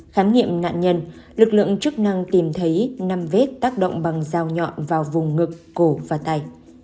khám nghiệm nạn nhân lực lượng chức năng tìm thấy năm vết tác động bằng dao nhọn vào vùng ngực cổ và tay